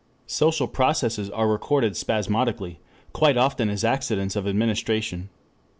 Social processes are recorded spasmodically, quite often as accidents of administration.